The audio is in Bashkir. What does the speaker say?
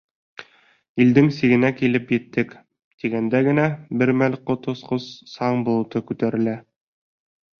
Илдең сигенә килеп еттек, тигәндә генә, бер мәл ҡот осҡос саң болото күтәрелә.